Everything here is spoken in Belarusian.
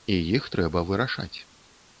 І іх трэба вырашаць.